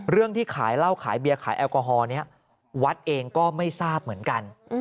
ที่ขายเหล้าขายเบียร์ขายแอลกอฮอล์นี้วัดเองก็ไม่ทราบเหมือนกัน